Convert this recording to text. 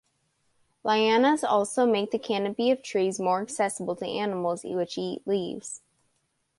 Lianas also make the canopy of trees more accessible to animals which eat leaves.